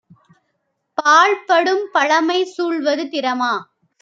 பாழ்படும் பழமை சூழ்வது திறமா?